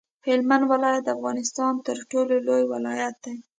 هلمند ولایت د افغانستان تر ټولو لوی ولایت دی.